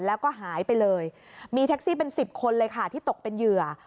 แล้วก็หายไปเลยมีแท็กซี่เป็น๑๐คนเลยค่ะที่ตกเป็นเหยื่อ